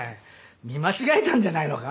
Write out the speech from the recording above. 見間違えたんじゃないのか？